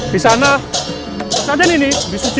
di sana sesajian ini disucikan dengan raya suci